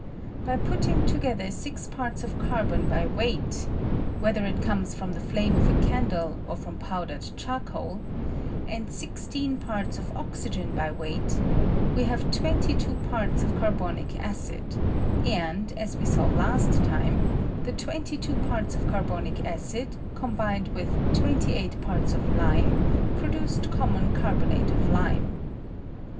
By putting together 6 parts of carbon by weight (whether it comes from the flame of a candle or from powdered charcoal) and 16 parts of oxygen by weight, we have 22 parts of carbonic acid ; and, as we saw last time, the 22 parts of carbonic acid combined with 28 parts of lime, produced common carbonate of lime.